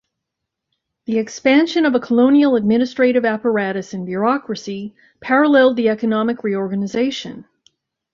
The expansion of a colonial administrative apparatus and bureaucracy paralleled the economic reorganization.